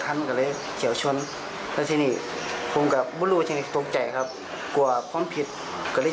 ผมก็ไม่เคยเจอเหตุการณ์แบบนี้อย่างนี้กัน